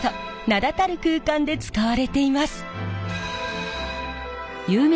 名だたる空間で使われています。